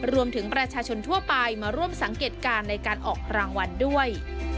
รวมถึงประชาชนทั่วไปมาร่วมสังเกตการณ์ในการออกรางวัลด้วย